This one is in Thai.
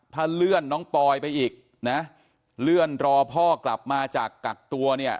ถ้าเลื่อนน้องปอยไปอีกนะเลื่อนรอพ่อกลับมาจากกักตัวเนี่ย